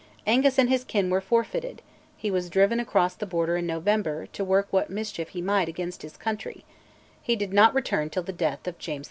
Angus and his kin were forfeited; he was driven across the Border in November, to work what mischief he might against his country; he did not return till the death of James V.